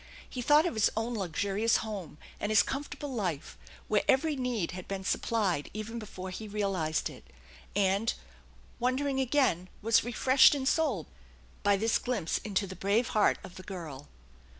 He thought of his own luxurious home and his com fortable life, where every need had been supplied even before he realized it, and, wondering again, was refreshed in soul by this glimpse into the brave heart of the girl.